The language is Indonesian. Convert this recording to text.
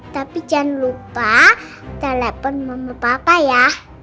tapi jangan lupa kalaupun mama papa ya